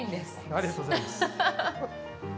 ありがとうございます。